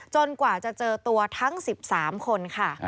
จนกว่าจะเจอตัวทั้ง๑๓คน